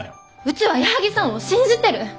・うちは矢作さんを信じてる。